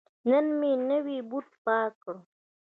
نن مې نوی بوټ پاک کړ.